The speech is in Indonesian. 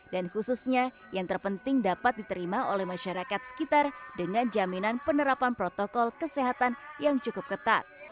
dan khususnya yang terpenting dapat diterima oleh masyarakat sekitar dengan jaminan penerapan protokol kesehatan yang cukup ketat